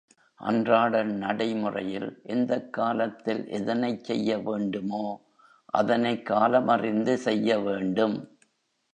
அன்றாட நடைமுறையில் எந்தக் காலத்தில் எதனைச் செய்யவேண்டுமோ அதனைக் காலமறிந்து செய்ய வேண்டும்.